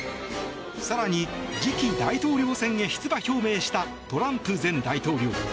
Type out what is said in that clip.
更に、次期大統領選へ出馬表明したトランプ前大統領。